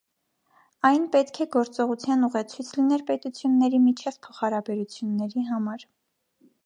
Այն պետք է գործողության ուղեցույց լիներ պետությունների միջև փոխհարաբերությունների համար։